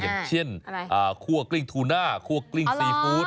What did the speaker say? อย่างเช่นคั่วกลิ้งทูน่าคั่วกลิ้งซีฟู้ด